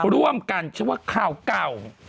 ร่วมกันฉันว่าข่าวเก่า